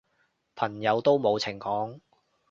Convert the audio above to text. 朋友都冇情講